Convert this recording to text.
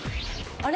「あれ？」